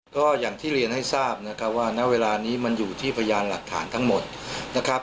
ก็อย่างที่เรียนให้ทราบนะครับว่าณเวลานี้มันอยู่ที่พยานหลักฐานทั้งหมดนะครับ